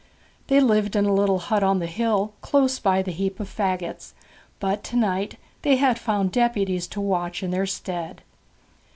They lived in a little hut on the hill, close by the heap of faggots; but to night they had found deputies to watch in their stead.